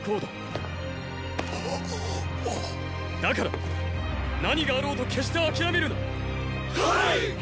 だから何があろうと決してあきらめるな！はいっ！